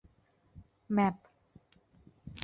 แมป